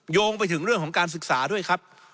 โยงไปถึงเรื่องของการศึกษาด้วยครับ